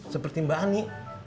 seperti mbak ani